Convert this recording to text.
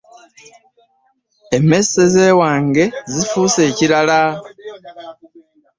Emmese z'ewange zifuuse ekirala!